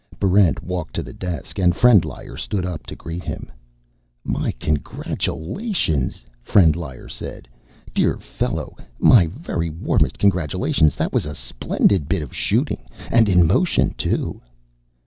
Barrent walked to the desk, and Frendlyer stood up to greet him. "My congratulations!" Frendlyer said. "Dear fellow, my very warmest congratulations. That was a splendid bit of shooting. And in motion, too!"